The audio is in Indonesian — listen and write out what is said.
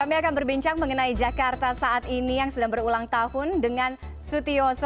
kami akan berbincang mengenai jakarta saat ini yang sedang berulang tahun dengan sutioso